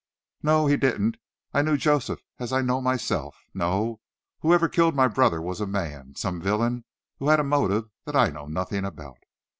"No, he didn't. I knew Joseph as I know myself. No; whoever killed my brother, was a man; some villain who had a motive that I know nothing about."